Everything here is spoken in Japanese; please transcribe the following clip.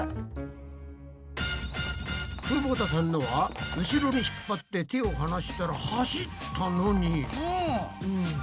久保田さんのは後ろにひっぱって手を離したら走ったのに。